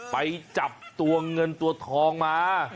ไปจับตัวเงินตัวทองมา